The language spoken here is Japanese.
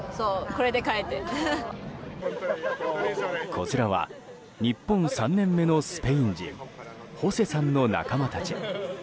こちらは日本３年目のスペイン人ホセさんの仲間たち。